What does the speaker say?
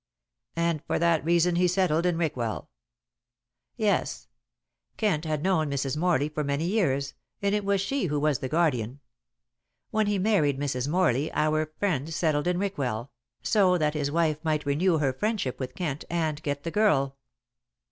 "And for that reason he settled in Rickwell." "Yes. Kent had known Mrs. Morley for many years, and it was she who was the guardian. When he married Mrs. Morley our friend settled in Rickwell, so that his wife might renew her friendship with Kent and get the girl.